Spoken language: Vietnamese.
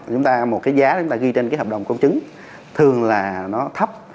chúng ta một cái giá chúng ta ghi trên cái hợp đồng công chứng thường là nó thấp